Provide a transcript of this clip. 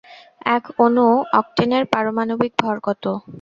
এক অণু অক্টেনের পারমাণবিক ভর কত?